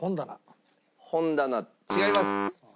本棚違います。